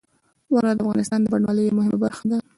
واوره د افغانستان د بڼوالۍ یوه مهمه برخه ده.